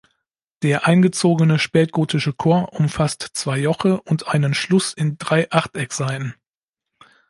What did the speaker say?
Der eingezogene spätgotische Chor umfasst zwei Joche und einen Schluss in drei Achteckseiten.